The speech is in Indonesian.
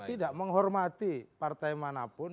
dan tidak menghormati partai manapun